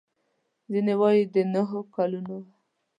ځینې وايي د نهو کلونو و.